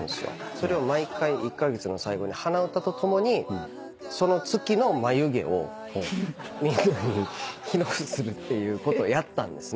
それを毎回１カ月の最後に鼻歌とともにその月の眉毛を記録するってことをやったんです。